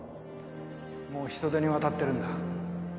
もう人手に渡ってるんだ